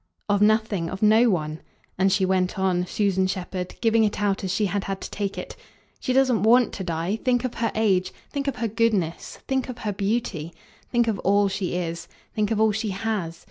"Of nothing of no one." And she went on, Susan Shepherd, giving it out as she had had to take it. "She doesn't WANT to die. Think of her age. Think of her goodness. Think of her beauty. Think of all she is. Think of all she HAS.